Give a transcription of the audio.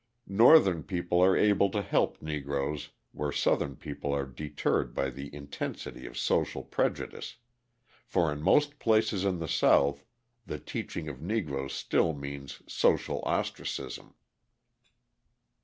Northern people are able to help Negroes where Southern people are deterred by the intensity of social prejudice: for in most places in the South the teaching of Negroes still means social ostracism.